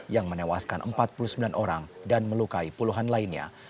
yang menewaskan empat puluh sembilan orang dan melukai puluhan lainnya